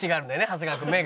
長谷川君。